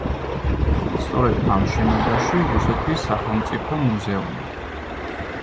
სწორედ ამ შენობაშია რუსეთის სახელმწიფო მუზეუმი.